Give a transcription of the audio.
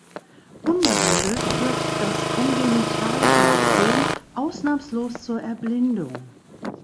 Unbehandelt führt das kongenitale Glaukom ausnahmslos zur Erblindung.